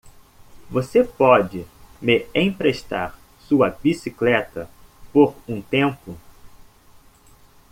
Você pode me emprestar sua bicicleta por um tempo?